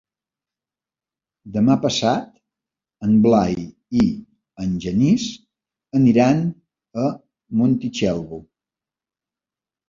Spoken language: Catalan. Demà passat en Blai i en Genís aniran a Montitxelvo.